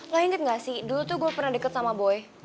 lah inget gak sih dulu tuh gue pernah deket sama boy